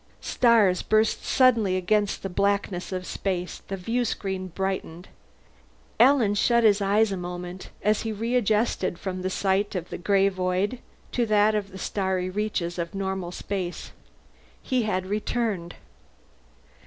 Stars burst suddenly against the blackness of space; the viewscreen brightened. Alan shut his eyes a moment as he readjusted from the sight of the gray void to that of the starry reaches of normal space. He had returned.